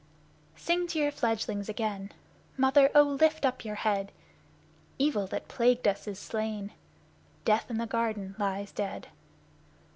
Sing to your fledglings again, Mother, oh lift up your head! Evil that plagued us is slain, Death in the garden lies dead.